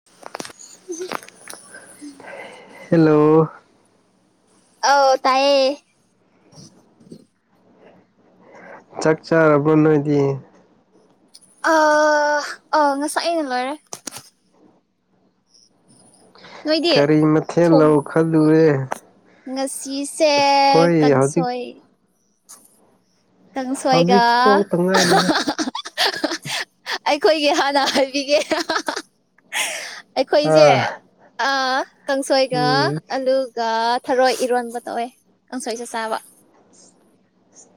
[unintelligible] Hello. ꯑꯧ ꯇꯥꯏꯌꯦ꯫ ꯆꯥꯛ ꯆꯥꯔꯕ꯭ꯔꯣ ꯅꯣꯏꯗꯤ ꯑ ꯑ ꯉꯁꯥꯏꯅ ꯂꯣꯏꯔꯦ ꯅꯣꯏꯗꯤ ꯀꯔꯤ ꯃꯊꯦꯜ ꯊꯣꯡ ꯂꯧ ꯈꯜꯂꯨꯔꯦ꯫ ꯉꯁꯤꯁꯦ ꯍꯧꯖꯤꯛ ꯀꯥꯡꯁꯣꯏ ꯀꯥꯡꯁꯣꯏꯒ ꯍꯧꯖꯤꯛ ꯄꯣꯛꯇ ꯉꯥꯏꯔꯤꯗ ꯑꯩꯈꯣꯏꯒꯤ ꯍꯥꯟꯅ ꯍꯥꯏꯕꯤꯒꯦ꯫ ꯑꯩꯈꯣꯏꯁꯦ ꯑꯥ ꯀꯥꯡꯁꯣꯏꯒ ꯎꯝ ꯑꯂꯨ ꯒ ꯊꯔꯣꯏ ꯏꯔꯣꯟꯕ ꯇꯧꯋꯦ ꯀꯥꯡꯁꯣꯏꯁꯨ ꯆꯥꯕ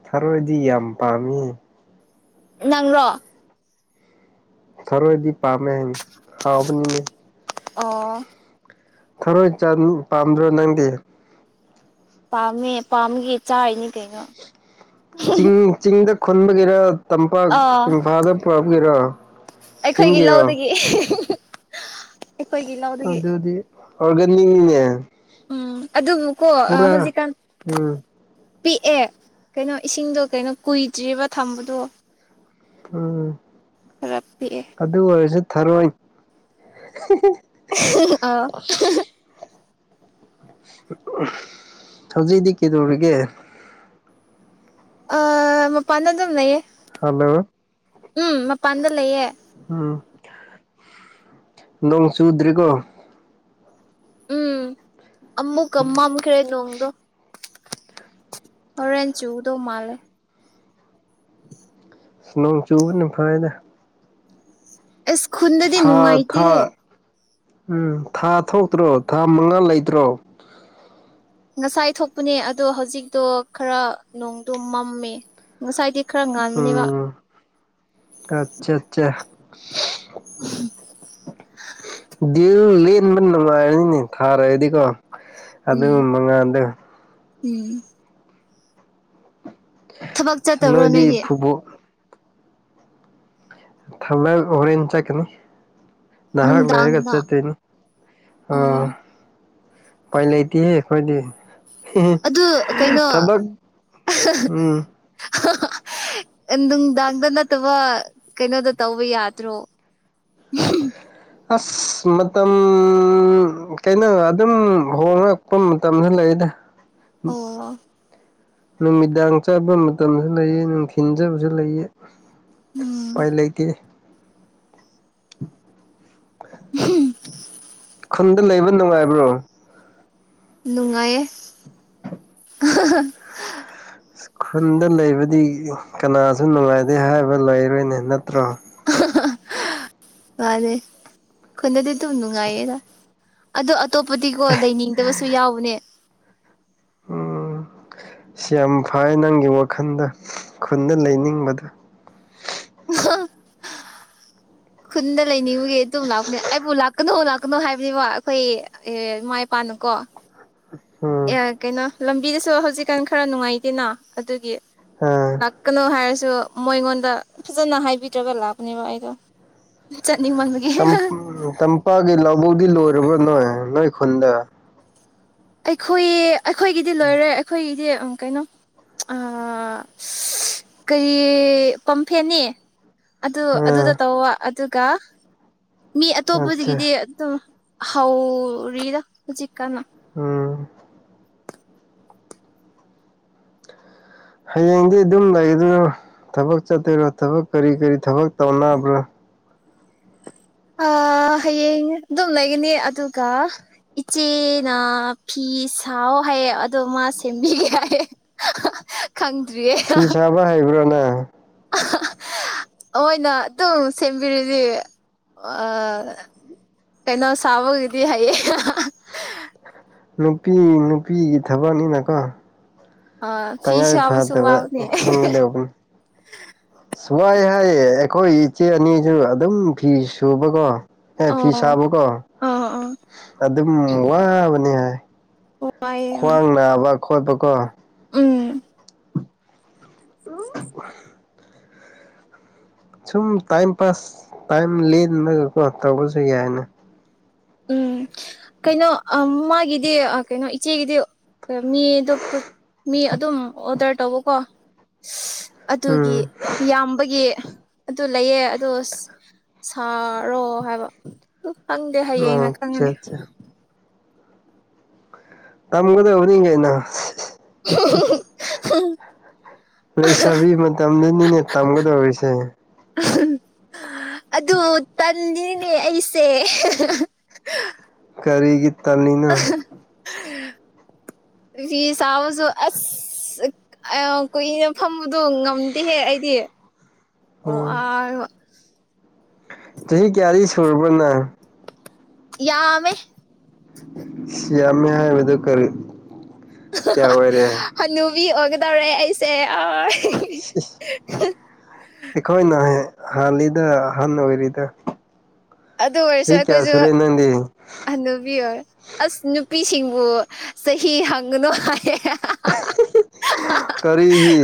ꯊꯔꯣꯏꯗꯤ ꯌꯥꯝ ꯄꯥꯝꯃꯤ ꯅꯪꯔꯣ꯫ ꯊꯔꯣꯏꯗꯤ ꯄꯥꯝꯃꯦ ꯍꯥꯎꯕꯅꯤꯅꯦ ꯑꯣ꯫ ꯊꯔꯣꯏ ꯆ ꯄꯥꯝꯗ꯭ꯔꯣ ꯅꯪꯗꯤ ꯄꯥꯝꯃꯦ ꯄꯥꯝꯕꯒꯤ ꯆꯥꯔꯤꯅꯤ ꯀꯩꯅꯣ ꯆꯤꯡ ꯆꯤꯡꯗ ꯈꯨꯟꯕꯒꯤꯔꫭ ꯇꯝꯄꯥꯛ ꯑꯣ ꯏꯝꯐꯥꯜꯗ ꯄꯨꯔꯛꯏꯔꯣ ꯑꯩꯈꯣꯏꯒꯤ ꯆꯤꯡꯒꯤꯔꯣ ꯂꯧꯗꯒꯤ ꯑꯩꯈꯣꯏꯒꯤ ꯂꯧꯗꯒꯤ ꯑꯗꯨꯗꯤ ꯍꯥꯎꯒꯅꯤ ꯎꯝ ꯑꯗꯨꯒꯀꯣ ꯍꯧꯖꯤꯛꯀꯥꯟ ꯎꯝ ꯄꯤꯛꯑꯦ ꯀꯩꯅꯣ ꯏꯁꯤꯡꯗꯣ ꯀꯩꯅꯣ ꯀꯨꯏꯗ꯭ꯔꯤꯕ ꯊꯝꯕꯗꯣ꯫ ꯎꯝ ꯈꯔ ꯄꯤꯛꯑꯦ ꯑꯗꯨ ꯑꯣꯏꯔꯁꯨ ꯊꯔꯣꯏ ꯑꯥꯎ꯫ ꯍꯧꯖꯤꯛꯗꯤ ꯀꯩꯗꯧꯔꯤꯒꯦ ꯑꯥ ꯃꯄꯥꯟꯅꯗ ꯑꯗꯨꯝ ꯂꯩꯌꯦ꯫ ꯍꯜꯂꯣ ꯎꯝ ꯃꯄꯥꯟꯗ ꯂꯩꯌꯦ ꯎꯝ ꯅꯣꯡ ꯆꯨꯗ꯭ꯔꯦꯀꯣ ꯑꯃꯨꯛ ꯃꯝꯈ꯭ꯔꯦ ꯅꯣꯡꯗꯣ ꯍꯣꯔꯦꯟ ꯆꯨꯗꯧ ꯃꯥꯜꯂꯦ [inaudible] ꯅꯣꯡ ꯆꯨꯕꯅ ꯐꯩꯗ ꯏꯁ ꯈꯨꯨꯟꯗꯗꯤ ꯊꯥ ꯅꯨꯡꯉꯥꯏꯇꯦ ꯍꯦ ꯊꯥ ꯎꯝ ꯊꯥ ꯊꯣꯛꯇ꯭ꯔꯣ ꯊꯥ ꯃꯉꯥꯜ ꯂꯩꯇ꯭ꯔꯣ ꯉꯁꯥꯏ ꯊꯣꯛꯄꯅꯦ ꯑꯗꯣ ꯍꯧꯖꯤꯛꯇꯣ ꯈꯔ ꯅꯣꯡꯗꯣ ꯃꯝꯃꯦ ꯉꯁꯥꯏꯗꯤ ꯈꯔ ꯉꯥꯟꯕꯅꯦꯕ ꯑꯆꯥꯠꯆꯥ ꯗꯤꯜ ꯂꯦꯟꯕ ꯅꯨꯡꯉꯥꯏꯔꯅꯤꯅꯦ ꯊꯥꯔꯒꯗꯤꯀꯣ ꯑꯗꯨ ꯎꯝ ꯃꯉꯥꯜꯗꯨ ꯎꯝ ꯊꯕꯛ ꯆꯠꯇꯕ꯭ꯔꯣ ꯅꯣꯢꯗꯤ ꯅꯣꯏꯗꯤ ꯐꯨꯠꯕꯣꯜ ꯊꯕꯛ ꯍꫭꯔꯦꯟ ꯆꯠꯒꯅꯤ ꯅꯍꯥꯛ ꯂꯩꯔꯒ ꯅꯨꯡꯗꯥꯡꯗ ꯆꯠꯇꯣꯏꯅꯤ ꯑꯝ ꯑꯣ ꯎꯄꯥꯏ ꯂꯩꯇꯦꯍꯦ ꯑꯩꯈꯣꯏꯗꯤ ꯑꯗꯨ ꯀꯩꯅꯣ ꯊꯕꯛ ꯎꯝ ꯅꯨꯡꯗꯥꯡꯗ ꯅꯠꯇꯕ ꯀꯩꯅꯣꯗ ꯇꯧꯕ ꯌꯥꯗ꯭ꯔꯣ ꯎꯝ [inaudible] ꯑꯁ ꯃꯇꯝ ꯀꯩꯅꯣ ꯑꯗꯨꯝ ꯍꯣꯡꯂꯛꯄ ꯃꯇꯝꯁꯨ ꯂꯩꯗ ꯎ ꯑꯣ [inaudible] ꯅꯨꯃꯤꯗꯥꯡ ꯆꯥꯠꯕ ꯃꯇꯝꯁꯨ ꯂꯩꯑꯦ ꯅꯨꯡꯊꯤꯟ ꯆꯠꯕꯁꯨ ꯂꯩꯑꯦ ꯎꯝ ꯎꯄꯥꯏ ꯂꯩꯇꯦ ꯈꯨꯟꯗ ꯂꯩꯕ ꯅꯨꯡꯉꯥꯏꯕ꯭ꯔꯣ ꯅꯨꯡꯉꯥꯏꯌꯦ ꯈꯨꯟꯗ ꯂꯩꯕꯗꯤ ꯀꯅꯥꯁꯨ ꯅꯨꯡꯉꯥꯏꯗꯦ ꯍꯥꯏꯕ ꯂꯩꯔꯣꯏꯅꯦ ꯅꯠꯇ꯭ꯔꯣ ꯃꯥꯅꯦ ꯈꯨꯟꯗꯗꯤ ꯑꯗꯨꯝ ꯅꯨꯡꯉꯥꯏꯌꯦꯗ ꯑꯗꯣ ꯑꯇꯣꯞꯄꯗꯤꯀꯣ ꯂꯩꯅꯤꯡꯗꯕꯁꯨ ꯌꯥꯎꯕꯅꯦ ꯎꯝ ꯁꯤ ꯌꯥꯝ ꯐꯩ ꯅꯪꯒꯤ ꯋꯥꯈꯜꯗꯣ ꯈꯨꯟꯗ ꯂꯩꯅꯤꯡꯕꯗꯣ ꯈꯨꯟꯗ ꯂꯩꯅꯤꯡꯕꯒꯤ ꯑꯗꯨꯝ ꯂꯥꯛꯄꯅꯦ ꯑꯩꯕꯨ ꯂꯥꯛ ꯂꯥꯛꯀꯅꯣ ꯂꯥꯛꯀꯅꯣ ꯍꯥꯏꯕꯅꯦꯕ ꯑꯩꯈꯣꯏ ꯏꯃꯥ ꯏꯄꯥꯅꯀꯣ ꯎꯝ ꯑꯦ ꯀꯩꯅꯣ ꯂꯝꯕꯤꯗꯁꯨ ꯍꯧꯖꯤꯛꯀꯥꯟ ꯈꯔ ꯅꯨꯡꯉꯥꯏꯇꯦꯅ ꯑꯗꯨꯒꯤ ꯎꯝ ꯂꯥꯛꯀꯅꯣ ꯍꯥꯏꯔꯁꯨ ꯃꯣꯏꯉꯣꯟꯗ ꯐꯖꯅ ꯍꯥꯏꯕꯤꯗ꯭ꯔꯒ ꯂꯥꯛꯄꯅꯦꯕ ꯑꯩꯗꯣ ꯆꯠꯅꯤꯡ ꯃꯥꯟꯕꯒꯤ ꯅꯨꯄꯥꯒꯤ ꯂꯧꯕꯨꯗꯤ ꯂꯣꯏꯔꯕ꯭ꯔꯥ ꯅꯣꯏ ꯅꯣꯏ ꯈꯨꯟꯗ ꯑꯩꯈꯣꯏ ꯑꯩꯈꯣꯏꯒꯤꯗꯤ ꯂꯣꯏꯔꯦ ꯑꯩꯈꯣꯏꯒꯤꯗꯤ ꯀꯩꯅꯣ ꯑ ꯀꯔꯤ ꯄꯝꯐꯦꯟꯅꯦ ꯑꯗꯨ ꯑꯗꯨꯗ ꯑꯥ ꯇꯧꯕ ꯑꯗꯨꯒ ꯃꯤ ꯑꯠꯆꯥ ꯑꯇꯣꯞꯄꯒꯤꯗꯤ ꯑꯗꯨꯝ ꯍꯥꯎꯔꯤꯗ ꯍꯧꯖꯤꯛ ꯀꯥꯟꯅ ꯎꯝ ꯍꯌꯦꯡꯗꯤ ꯑꯗꯨꯝ ꯂꯩꯒꯗꯣꯏꯔꯣ ꯊꯕꯛ ꯆꯠꯇꯣꯏꯔꯣ ꯊꯕꯛ ꯀꯔꯤ ꯀꯔꯤ ꯊꯕꯛ ꯇꯧꯅꯕ꯭ꯔꯣ ꯑ ꯍꯌꯦꯡ ꯑꯗꯨꯝ ꯂꯩꯒꯅꯤ ꯑꯗꯨꯒ ꯏꯆꯦꯅ ꯐꯤ ꯁꯥꯥꯎ ꯍꯥꯏ ꯑꯗꯨꯒ ꯃꯥ ꯁꯦꯝꯕꯤꯒꯦ ꯍꯥꯏꯌꯦ ꯈꯪꯗ꯭ꯔꯤꯑꯦ ꯅꯨꯡꯉꯥꯢꯕ꯭ꯔꯣ ꯅꯪ ꯃꯣꯏꯅ ꯑꯗꯨꯝ ꯁꯦꯝꯕꯤꯔꯤꯗꯤ ꯑ ꯀꯩꯅꯣ ꯁꯥꯎꯕꯒꯤꯗꯤ ꯍꯩꯌꯦ ꯅꯨꯄꯤ ꯅꯨꯄꯤꯒꯤ ꯊꯕꯛꯅꯤꯅꯀꯣ ꯑꯥ ꯐꯤ ꯇꯉꯥꯏ ꯁꯥꯕꯁꯨ ꯋꯥꯕꯅꯦ ꯐꯗꯕꯅꯤ ꯈꯪꯒꯗꯧꯕꯧꯕꯅꯤ ꯁ ꯋꯥꯏ ꯍꯥꯏꯌꯦ ꯑꯩꯈꯣꯏ ꯏꯆꯦ ꯑꯅꯤꯁꯨ ꯑꯗꯨꯝ ꯐꯤ ꯁꯨꯕꯀꯣ ꯑꯦ ꯑꯣ ꯐꯤꯁꯥꯕ ꯀꯣ ꯑꯥ ꯑꯥ ꯑꯗꯨꯝ ꯋꯥꯕꯅꯤ ꯍꯥꯏ ꯋꯥꯏꯌꯦ ꯑꯥ ꯈ꯭ꯋꯥꯡ ꯅꯥꯕ ꯈꯣꯠꯄ ꯀꯣ ꯎꯝ ꯎ ꯁꯨꯝ ꯇꯥꯏꯝ ꯄꯥꯁ ꯇꯥꯏꯝ ꯂꯗꯒꯀꯣ ꯇꯧꯕꯁꯨ ꯌꯥꯏꯅ ꯎꯝ ꯀꯩꯅꯣ ꯑ ꯃꯥꯒꯤꯗꯤ ꯑ ꯀꯩꯅꯣ ꯏꯆꯦꯒꯤꯗꯤ ꯃꯤꯗꯣ ꯃꯤ ꯑꯗꯨꯝ ꯑꯣꯗꯔ ꯇꯧꯕꯀꯣ ꯎꯝ ꯑꯗꯨꯒꯤ ꯌꯥꯝꯕꯒꯤ ꯑꯗꯨ ꯂꯩꯌꯦ ꯑꯗꯣ ꯁꯥꯔꯣ ꯍꯥꯏꯕ ꯑꯗꯨ ꯈꯪꯗꯦ ꯍꯌꯦꯡꯅ ꯈꯪꯉꯅꯤ ꯑꯆꯥ ꯑꯆꯥ ꯇꯝꯒꯗꯅꯤ ꯀꯩꯅꯣ ꯂꯩꯁꯕꯤ ꯃꯇꯝꯗꯨꯅꯤꯅꯦ ꯇꯝꯒꯗꯧꯔꯤꯁꯦ ꯑꯗꯨ ꯇꯜꯂꯤꯅꯦ ꯑꯩꯁꯦ ꯀꯔꯤꯒꯤ ꯇꯜꯂꯤꯅꯣ ꯐꯤ ꯁꯥꯥꯕꯁꯨ ꯑꯁ ꯀꯨꯏꯅ ꯐꯝꯕꯗꯣ ꯉꯝꯗꯦꯍꯦ ꯑꯩꯗꯤ ꯎꯝ ꯋꯥꯔꯒ ꯆꯍꯤ ꯀꯌꯥꯔꯤ ꯁꯨꯔꯕꯅꯪ ꯌꯥꯝꯃꯦ ꯁꯤ ꯌꯥꯝꯃꯦ ꯍꯥꯏꯕꯗꯣ ꯀꯔꯤ ꯀꯌꯥ ꯑꯣꯏꯔꯦ ꯍꯅꯨꯕꯤ ꯑꯣꯏꯒꯗꯧꯔꯦ ꯑꯩꯁꯦ ꯑꯥ ꯑꯩꯈꯣꯏꯅ ꯍꯥꯜꯂꯤꯗ ꯑꯍꯟ ꯑꯣꯏꯔꯤꯗꯣ ꯑꯗꯨ ꯑꯣꯏꯔꯁꯨ ꯆꯍꯤ ꯀꯌꯥ ꯑꯩꯈꯣꯏꯁꯨ ꯁꯨꯔꯦ ꯅꯪꯗꯤ ꯍꯅꯨꯕꯤ ꯑꯣꯏ ꯑꯁ ꯅꯨꯄꯤꯁꯤꯡꯕꯨ ꯆꯍꯤ ꯍꯥꯡꯒꯅꯨ ꯍꯥꯏꯌꯦ ꯀꯔꯤꯒꯤ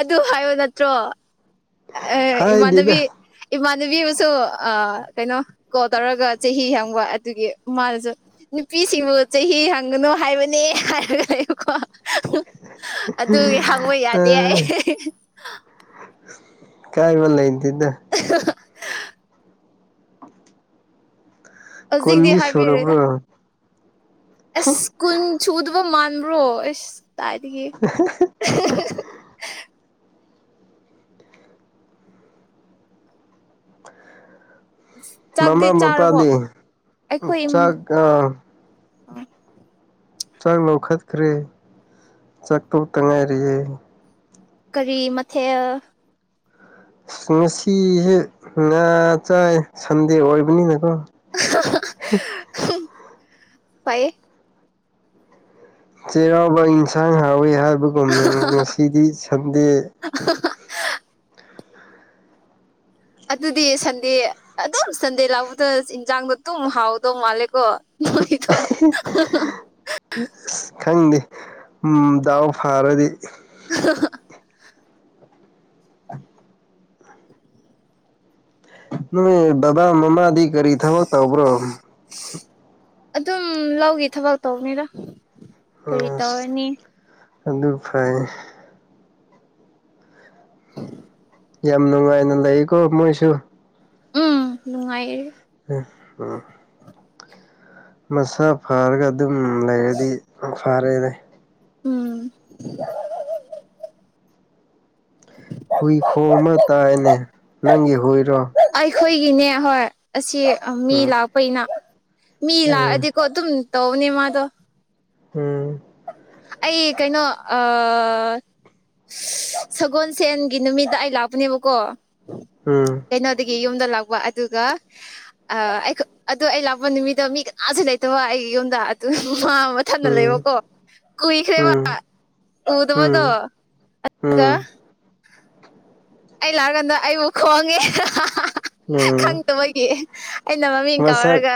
ꯑꯗꯨ ꯍꯥꯏꯌꯣ ꯅꯠꯇ꯭ꯔꯣ ꯑꯦ ꯏꯃꯥꯟꯅꯕꯤ ꯍꯥꯏꯗꯦꯗ ꯏꯃꯥꯟꯅꯕꯤ ꯑꯃꯁꯨ ꯑ ꯀꯩꯅꯣ ꯀꯣꯜ ꯇꯧꯔꯒ ꯆꯍꯤ ꯍꯡꯕ ꯑꯗꯨꯒꯤ ꯃꯥꯅꯁꯨ ꯅꯨꯄꯤꯁꯤꯡꯕꯨ ꯆꯍꯤ ꯍꯪꯒꯅꯨ ꯍꯥꯏꯕꯅꯦ ꯍꯥꯏꯔꯒ ꯂꯩꯕꯀꯣ ꯑꯗꯨꯒꯤ ꯍꯥꯡꯕ ꯌꯥꯗꯦ ꯍꯥꯏꯑꯦ ꯀꯥꯏꯕꯂꯩꯇꯦꯗ [unintelligible] ꯍꯧꯖꯤꯛꯇꯤ ꯀꯣꯟꯗꯤ ꯍꯥꯏꯕꯤꯔꯦꯗ ꯁꯨꯔꯕ꯭ꯔꯣ ꯑꯁ ꯀꯨꯟ ꯁꯨꯗꯕ ꯃꯥꯟꯕ꯭ꯔꯣ ꯑꯁ ꯀꯥꯏꯗꯒꯤ ꯆꯥꯛꯇꯤ ꯃꯃꯥ ꯆꯥꯔꯕꯣ ꯃꯄꯥꯗꯤ ꯑꯩꯈꯣꯏ ꯆꯥꯛ ꯑ ꯆꯥꯛ ꯂꯧꯈꯠꯈ꯭ꯔꯦ ꯆꯥꯛ ꯇꯣꯛ ꯇꯉꯥꯏꯔꯤꯑꯦ ꯀꯔꯤ ꯃꯊꯦꯜ ꯑꯁ ꯉꯁꯤꯁꯦ ꯉꯥ ꯆꯥꯏ ꯁꯟꯗꯦ ꯑꯣꯏꯕꯅꯤꯅꯀꯣ [unintelligible] ꯐꯩꯌꯦ ꯆꯩꯔꯥꯎꯕ ꯌꯦꯟꯁꯥꯡ ꯍꯥꯎꯋꯤ ꯍꯥꯏꯕꯒꯨꯝꯅ ꯉꯁꯤꯗꯤ ꯁꯟꯗꯦ [unintelligible] ꯑꯗꯨꯗꯤ ꯁꯟꯗꯦ ꯑꯗꯨꯝ ꯁꯟꯗꯦ ꯂꯥꯛꯄꯗ ꯏꯟꯖꯥꯡꯗꯣ ꯑꯗꯨꯝ ꯍꯥꯎꯗꯧ ꯃꯥꯜꯂꯦꯀꯣ [unintelligible] ꯅꯣꯏꯗꯣ ꯑꯁ ꯈꯪꯗꯦ ꯎꯝ ꯗꯥꯎ ꯐꯥꯔꯗꯤ [unintelligible] [inaudible] ꯅꯣꯏ ꯕꯕꯥ ꯃꯃꯥꯗꯤ ꯀꯔꯤ ꯊꯕꯛ ꯇꯧꯕ꯭ꯔꯣ ꯑꯗꯨꯝ ꯂꯧꯒꯤ ꯊꯕꯛ ꯇꯧꯕꯅꯤꯗ ꯀꯔꯤ ꯑꯁ ꯇꯧꯔꯅꯤ ꯑꯗꯨ ꯐꯩ [inaudible] ꯌꯥꯝ ꯅꯨꯡꯉꯥꯏꯅ ꯂꯩꯀꯣ ꯅꯣꯏꯁꯨ ꯎꯝ ꯅꯨꯡꯉꯥꯏꯌꯦ ꯑꯦ ꯎꯝ ꯃꯁꯥ ꯐꯔꯒ ꯑꯗꯨꯝ ꯂꯩꯔꯗꯤ ꯐꯔꯦꯅꯦ ꯎꯝ [unintelligible] ꯍꯨꯏ ꯈꯣꯡꯕ ꯇꯥꯏꯅꯦ ꯅꯪꯒꯤ ꯍꯨꯏꯔꯣ ꯑꯩꯈꯣꯏꯒꯤꯅꯦ ꯍꯣꯏ ꯑꯁꯤ ꯃꯤ ꯎꯝ ꯂꯥꯛꯄꯩꯅ ꯃꯤ ꯎꯝ ꯂꯥꯛꯑꯗꯤꯀꯣ ꯑꯗꯨꯝ ꯇꯧꯕꯅꯦ ꯃꯥꯗꯣ ꯎꯝ ꯑꯩ ꯀꯩꯅꯣ ꯑ ꯁꯒꯣꯜꯁꯦꯟꯒꯤ ꯅꯨꯃꯤꯠꯇ ꯑꯩ ꯂꯥꯛꯄꯅꯦꯕꯀꯣ ꯎꯝ ꯀꯩꯅꯣꯗꯒꯤ ꯌꯨꯝꯗ ꯂꯥꯛꯄ ꯑꯗꯨꯒ ꯑꯥ ꯑꯩ ꯑꯗꯨ ꯑꯩ ꯂꯥꯛꯄ ꯅꯨꯃꯤꯠꯇꯣ ꯃꯤ ꯀꯅꯥꯁꯨ ꯂꯩꯇꯕ ꯑꯩꯒꯤ ꯌꯨꯝꯗ ꯑꯗꯨ ꯃꯥ ꯍꯟꯅ ꯎꯝ ꯂꯩꯕꯀꯣ ꯀꯨꯏꯈ꯭ꯔꯦꯕ ꯎꯝ ꯎꯗꯕꯗꯣ ꯎꯝ ꯎꯝ ꯑꯗꯨꯒ ꯎꯝ ꯑꯩ ꯂꯥꯛꯑꯀꯥꯟꯗ ꯑꯩꯕꯨ ꯈꯣꯡꯉꯦ [unintelligible] ꯎꯝ ꯈꯪꯇꯕꯒꯤ ꯑꯩꯅ ꯃꯃꯤꯡ ꯀꯧꯔꯒ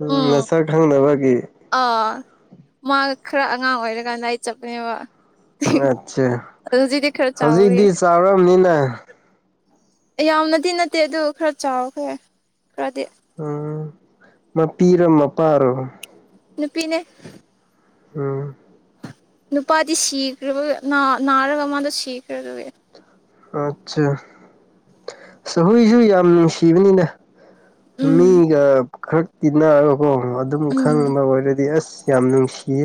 ꯎꯝ ꯃꯁꯛ ꯈꯪꯗꯕꯒꯤ ꯑꯥ ꯃꯥ ꯈꯔ ꯑꯉꯥꯡ ꯑꯣꯏꯔꯀꯥꯟꯗ ꯑꯩ ꯆꯠꯄꯅꯦꯕ ꯑꯗꯨ ꯍꯩꯖꯛꯗꯤ ꯈꯔ ꯆꯥꯎꯋꯦ ꯆꯥꯎꯔꯝꯅꯤꯅ ꯌꯥꯝꯅꯗꯤ ꯅꯠꯇꯦ ꯑꯗꯨ ꯈꯔ ꯆꯥꯎꯈ꯭ꯔꯦ ꯈꯔꯗꯤ ꯎꯝ ꯃꯄꯤꯔꯣ ꯃꯄꯥꯔꯣ ꯅꯨꯄꯤꯅꯦ ꯎꯝ ꯅꯨꯄꯥꯗꯤ ꯁꯤꯈꯔꯕ ꯅꯥ ꯅꯥꯔꯒ ꯃꯥꯗꯣ ꯁꯤꯈ꯭ꯔꯦ ꯑꯗꯨꯒꯤ ꯑꯠꯆꯥ ꯍꯨꯏꯖꯨ ꯌꯥꯝ ꯅꯨꯡꯁꯤꯕꯅꯤꯗ ꯎꯝ ꯃꯤꯒ ꯈꯛ ꯇꯤꯟꯅꯔꯒꯀꯣ ꯑꯗꯨꯝ ꯎꯝ ꯈꯪꯕ ꯑꯣꯏꯔꯗꯤ ꯑꯁ ꯌꯥꯝ ꯅꯨꯡꯁꯤꯌꯦ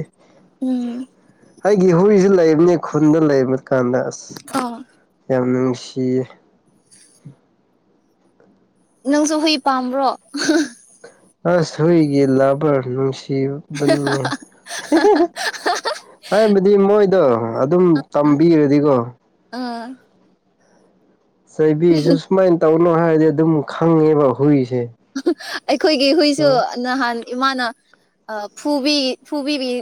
ꯎꯝ ꯑꯩꯒꯤ ꯍꯨꯏꯖꯄ ꯂꯩꯕꯅꯦ ꯈꯨꯟꯗ ꯂꯩꯕ ꯀꯥꯟꯅ ꯑꯥ ꯌꯥꯝꯅ ꯅꯨꯡꯁꯤꯌꯦ ꯅꯪꯁꯨ ꯍꯨꯏ ꯄꯥꯝꯕ꯭ꯔꯣ ꯑꯁ ꯍꯨꯏꯒꯤ ꯂꯕꯔ ꯅꯨꯡꯁꯤꯕꯅꯤꯅꯦ ꯍꯥꯏꯕꯗꯤ ꯃꯣꯏꯗꯣ ꯑꯗꯨꯝ ꯇꯝꯕꯤꯔꯗꯤꯀꯣ ꯑꯥ ꯆꯩꯕꯤꯁꯨ ꯁꯨꯃꯥꯏꯅ ꯇꯧꯅꯣ ꯍꯥꯏꯔꯗꯤ ꯑꯗꯨꯝ ꯈꯪꯉꯦꯕ ꯍꯨꯏꯁꯦ ꯑꯩꯈꯣꯏꯒꯤ ꯍꯨꯏꯁꯨ ꯅꯍꯥꯟ ꯏꯃꯥꯅ ꯐꯨꯕꯤ ꯐꯨꯕꯤꯕꯒꯤ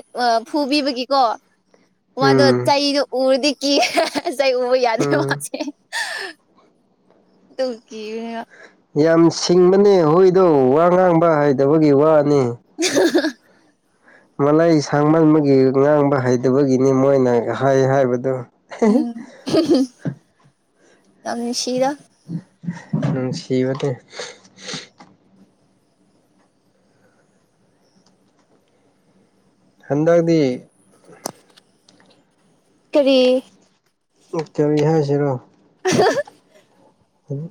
ꯐꯨꯕꯤꯕꯒꯤꯀꯣ ꯃꯥꯗꯣ ꯎꯝ ꯆꯩꯗꯣ ꯎꯔꯗꯤ ꯀꯤꯦ ꯆꯩ ꯎꯕ ꯌꯥꯗ꯭ꯔꯦ ꯎꯝ ꯃꯥꯁꯦ ꯗꯨꯒꯤ ꯌꯥꯝ ꯁꯤꯡꯕꯅꯦ ꯍꯣꯏꯗꯣ ꯋꯥ ꯉꯥꯡꯕ ꯍꯥꯏꯗꯕꯒꯤ ꯋꯥꯅꯤ [unintelligible] ꯃꯂꯩ ꯁꯥꯡꯃꯟꯕꯒꯤ ꯉꯥꯡꯕ ꯍꯩꯇꯕꯒꯤꯅꯤ ꯃꯣꯏꯅ ꯍꯥꯏꯩ ꯍꯥꯏꯕꯗꯨ ꯎꯝ [unintelligible] ꯌꯥꯝ ꯅꯨꯡꯁꯤꯗ ꯎꯝ ꯅꯨꯡꯁꯤꯕꯅꯦ ꯍꯟꯗꯛꯇꯤ ꯀꯔꯤ ꯑꯣ ꯀꯔꯤ ꯍꯥꯏꯁꯤꯔꯣ [unintelligible] ꯑꯗꯨ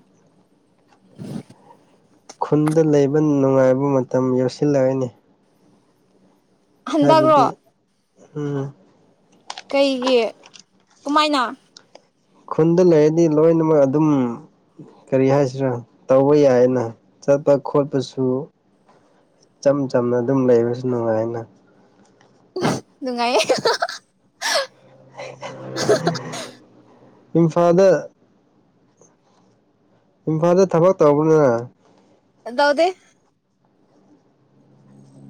ꯈꯨꯟꯗ ꯂꯩꯕ ꯅꯨꯡꯉꯥꯏꯕ ꯃꯇꯝ ꯌꯧꯁꯤꯜꯂꯒꯅꯤ ꯍꯟꯗꯛꯔꯣ ꯍꯥꯏꯕꯗꯤ ꯎꯝ ꯀꯩꯒꯤ ꯀꯃꯥꯏꯅ ꯈꯨꯟꯗ ꯂꯩꯔꯗꯤ ꯂꯣꯏꯅꯃꯛ ꯑꯗꯨꯝ ꯀꯔꯤ ꯍꯥꯏꯁꯤꯔꯥ ꯇꯧꯕ ꯌꯥꯏꯑꯅ ꯆꯠꯄ ꯈꯣꯠꯄꯁꯨ ꯏꯆꯝ ꯆꯝꯅ ꯑꯗꯨꯝ ꯂꯩꯕꯁꯨ ꯅꯨꯡꯉꯥꯏꯅ ꯅꯨꯡꯉꯥꯏꯌꯦ ꯏꯝꯐꯥꯜꯗ ꯏꯝꯐꯥꯜꯗ ꯊꯕꯛ ꯇꯧꯕꯅ ꯇꯧꯗ‌ꯦ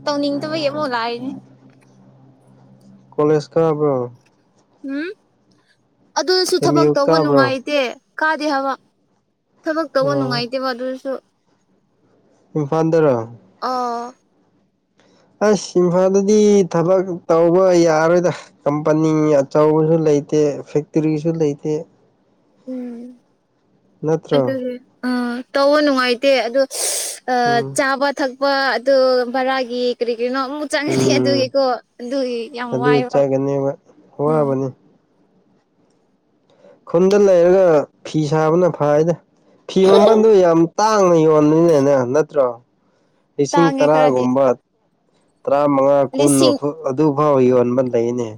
ꯇꯧꯅꯤꯡꯗꯕ ꯌꯦꯡꯃꯣ ꯂꯥꯛꯏꯅꯦ ꯀꯣꯂꯦꯖ ꯀꯥꯕ꯭ꯔꯣ ꯎꯝ ꯑꯗꯨꯁꯨ ꯑꯦꯝ ꯊꯕꯛ ꯌꯨ ꯇꯧꯕ ꯀꯥꯕ꯭ꯔꯣ ꯅꯨꯡꯉꯥꯏꯇꯦ ꯀꯥꯗꯦ ꯍꯥꯏꯕ ꯊꯕꯛ ꯇꯧꯕ ꯑꯣ ꯅꯨꯡꯉꯥꯏꯇꯦꯕ ꯑꯗꯨꯁꯨ ꯏꯝꯐꯗ꯭ꯔ ꯑꯥ ꯑꯁ ꯏꯝꯐꯥꯜꯗꯗꯤ ꯊꯕꯛ ꯇꯧꯕ ꯌꯥꯔꯣꯏꯗ꯭ꯔꯥ ꯀꯝꯄꯅꯤ ꯑꯆꯧꯕꯁꯨ ꯂꯩꯇꯦ ꯐꯦꯛꯇꯔꯤꯁꯨ ꯂꯩꯇꯦ ꯎꯝ ꯅꯠꯇ꯭ꯔꯣ ꯑꯗꯨꯒꯤ ꯑꯥ ꯇꯧꯕ ꯅꯨꯡꯉꯥꯏꯇꯦ ꯑꯗꯣ ꯎꯝ ꯆꯥꯕ ꯊꯛꯄ ꯑ ꯚꯔꯥꯒꯤ ꯀꯔꯤ ꯀꯔꯤꯅꯣ ꯑꯃ ꯆꯪꯉꯅꯤ ꯎꯝ ꯑꯗꯨꯒꯤꯀꯣ ꯑꯗꯨꯒꯤ ꯌꯥꯝ ꯑꯗꯨ ꯋꯥꯏꯕ ꯆꯠꯒꯅꯦꯕ ꯎꯝ ꯑꯋꯥꯕꯅꯤ ꯈꯨꯟꯗ ꯂꯩꯔꯒ ꯐꯤ ꯁꯥꯕꯅ ꯐꯥꯏꯗ ꯐꯤ ꯃꯃꯟꯗꯨ ꯌꯥꯝ ꯇꯥꯡꯅ ꯌꯣꯟꯕꯅꯤꯅꯅꯦ ꯅꯠꯇ꯭ꯔꯣ ꯂꯤꯁꯤꯡ ꯇꯥꯡꯉꯦ ꯈꯔꯗꯤ ꯇꯔꯥꯒꯨꯝꯕ ꯇꯔꯥꯃꯉꯥ ꯂꯤꯁꯤꯡ ꯀꯨꯟꯐꯨ ꯑꯗꯨꯐꯥꯎ ꯌꯣꯟꯕ ꯂꯩꯅꯦ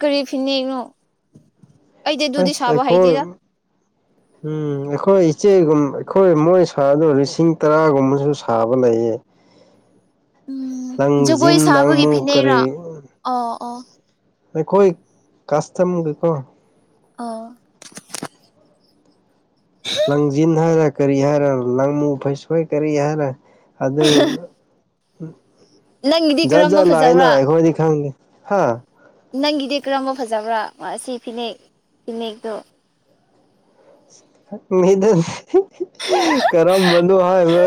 ꯀꯔꯤ ꯐꯤꯅꯅꯣ ꯑꯩꯗꯤ ꯑꯗꯨꯗꯤ ꯑꯁ ꯁꯥꯕ ꯑꯩꯈꯣꯏ ꯍꯩꯗꯦꯔꯥ ꯎꯝ ꯑꯩꯈꯣꯏ ꯏꯆꯦꯒꯨꯝ ꯑꯩꯈꯣꯏ ꯃꯣꯏ ꯁꯥꯗ ꯂꯤꯁꯤꯡ ꯇꯔꯥꯒꯨꯝꯕꯁꯨ ꯁꯥꯕ ꯂꯩꯌꯦ ꯎꯝ ꯖꯒꯣꯏ ꯂꯪꯖꯤꯟ ꯁꯥꯕꯒꯤ ꯂꯥꯡꯃꯨ ꯐꯤꯅꯩꯔꯥ ꯀꯔꯤ ꯑꯣ ꯑꯣ ꯑꯩꯈꯣꯏ ꯀꯥꯁꯇꯝꯒꯤꯀꯣ ꯑꯥ ꯂꯪꯖꯤꯟ ꯍꯥꯏꯔ ꯀꯔꯤ ꯍꯥꯏꯔ ꯂꯪ ꯃꯨ ꯐꯩꯁꯣꯏ ꯀꯔꯤ ꯍꯥꯏꯔ ꯑꯗꯨ ꯅꯪꯒꯤꯗꯤ ꯖꯥꯠ ꯀꯔꯝꯕ ꯖꯥꯠ ꯂꯥꯛꯅ ꯐꯖꯕ꯭ꯔꯥ ꯑꯩꯈꯣꯏꯗꯤ ꯈꯪꯗꯦ ꯍꯥꯥ ꯅꯪꯒꯤꯗꯤ ꯀꯔꯝꯕ ꯐꯖꯕ꯭ꯔꯥ ꯑꯁꯤ ꯐꯤꯅꯦꯛ ꯐꯤꯅꯦꯛꯇꯣ ꯃꯤꯗ ꯀꯔꯝꯕꯅꯣ ꯍꯥꯏꯕ